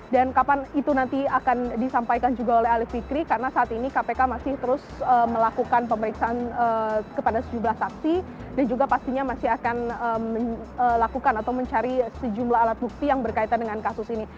dan kapan itu nanti akan disampaikan juga oleh alif fikri karena saat ini kpk masih terus melakukan pemeriksaan kepada sejumlah saksi dan juga pastinya masih akan melakukan atau mencari sejumlah alat bukti yang berkaitan dengan kasus ini